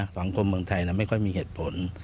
สังคมเมืองไทยไม่ค่อยมีเหตุผล